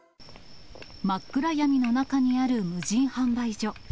真っ暗闇の中にある無人販売所。